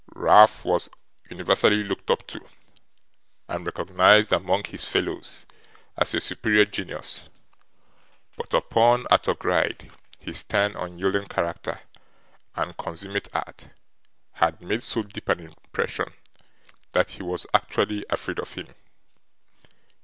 Ralph was universally looked up to, and recognised among his fellows as a superior genius, but upon Arthur Gride his stern unyielding character and consummate art had made so deep an impression, that he was actually afraid of him.